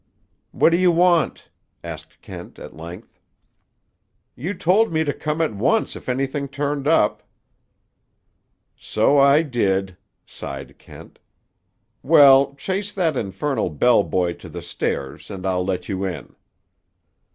"What do you want?" asked Kent at length. "You told me to come at once if anything turned up." "So I did," sighed Kent. "Well, chase that infernal bell boy to the stairs, and I'll let you in."